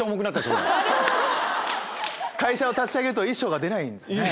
会社を立ち上げると衣装が出ないんですね。